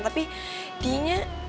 tapi dia tuh kayak